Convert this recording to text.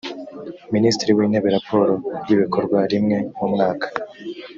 minisitiri wintebe raporo y ibikorwa rimwe mu mwaka